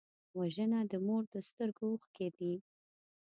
وژنه د مور د سترګو اوښکې دي